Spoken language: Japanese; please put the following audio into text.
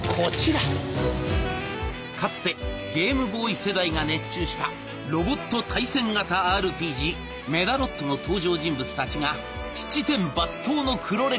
かつてゲームボーイ世代が熱中したロボット対戦型ＲＰＧ「メダロット」の登場人物たちが七転八倒の黒歴史を演じます。